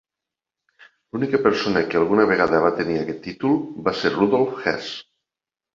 L'única persona que alguna vegada va tenir aquest títol va ser Rudolf Hess.